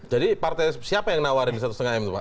jadi partai siapa yang nawarin satu setengah m itu pak